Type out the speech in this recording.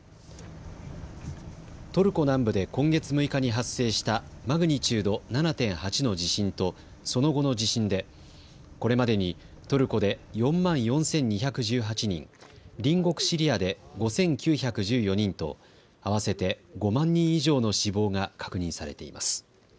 トルコ南部で今月６日に発生したマグニチュード７．８の地震とその後の地震でこれまでにトルコで４万４２１８人、隣国シリアで５９１４人と合わせて５万人以上の死亡が確認されています。